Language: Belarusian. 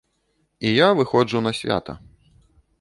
І я выходжу на свята.